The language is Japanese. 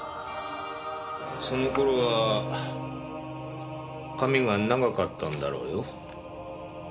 その頃は髪が長かったんだろうよ。